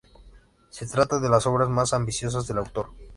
Se trata de la obra más ambiciosa del autor.